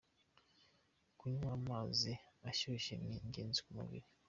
Kunywa amazi ashyushye ni ingenzi ku mubiri